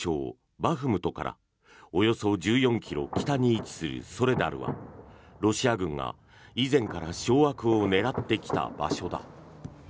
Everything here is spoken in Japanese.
バフムトからおよそ１４ｋｍ北に位置するソレダルはロシア軍が以前から掌握を狙ってきた場所だ。